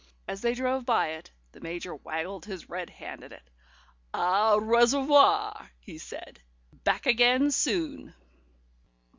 As they drove by it, the Major waggled his red hand at it. "Au reservoir," he said. "Back again soon!"